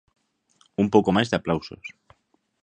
Un pouco máis de aplausos.